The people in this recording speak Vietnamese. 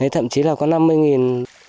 thậm chí là có năm mươi nghìn